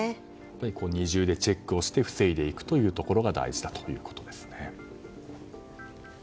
二重でチェックをして防いでいくことが大事だということですね。